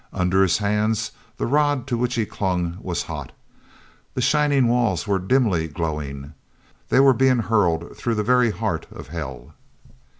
Under his hands the rod to which he clung was hot. The shining walls were dimly glowing. They were being hurled through the very heart of hell....